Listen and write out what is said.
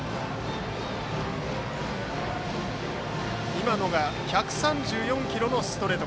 今のが１３４キロのストレート。